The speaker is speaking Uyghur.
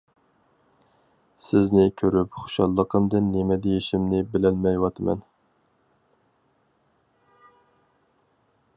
—سىزنى كۆرۈپ خۇشاللىقىمدىن نېمە دېيىشىمنى بىلەلمەيۋاتىمەن.